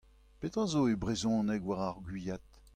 Petra zo e brezhoneg war ar Gwiad ?